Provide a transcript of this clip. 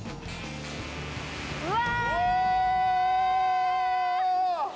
うわ！